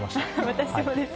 私もです。